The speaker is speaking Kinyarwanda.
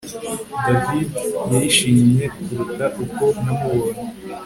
David yishimye kuruta uko namubonye